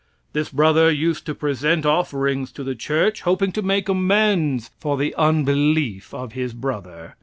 This brother used to present offerings to the church, hoping to make amends for the unbelief of his brother.